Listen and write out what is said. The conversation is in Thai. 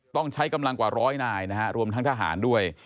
ต้องใช้กำลังกว่าร้อยนายนะฮะรวมทั้งทหารด้วย